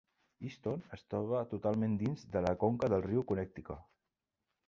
Easton es troba totalment dins de la conca del riu Connecticut.